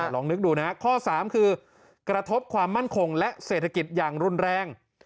ลองนึกดูนะข้อ๓คือกระทบความมั่นคงและเศรษฐกิจอย่างรุนแรง